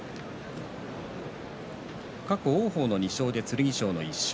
過去、王鵬が２勝で剣翔の１勝。